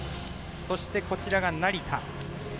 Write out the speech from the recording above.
そして、こちらが成田。